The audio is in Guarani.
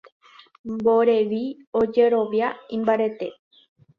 Mborevi ojerovia imbaretére.